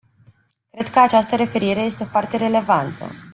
Cred că această referire este foarte relevantă.